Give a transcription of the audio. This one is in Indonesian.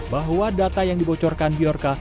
bahwa data yang dibocorkan biorca